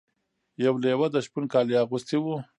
یو لیوه د شپون کالي اغوستي وو.